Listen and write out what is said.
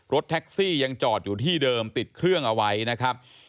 รถแท็กซี่ยังจอดอยู่ที่เดิมติดเครื่องเอาไว้นะครับ